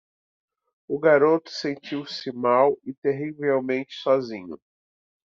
O garoto se sentiu mal e terrivelmente sozinho.